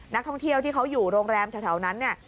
นักท่องเที่ยวที่เขาอยู่โรงแรมแถวนั้นเนี่ย